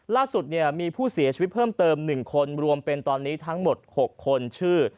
ล่าสุดมีผู้เสียชีวิตเพิ่มเติม๑คนรวมเป็นตอนนี้ทั้งหมด๖คนชื่อ